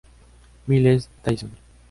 Miles Dyson.